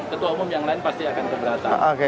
ketua umum yang lain pasti akan keberatan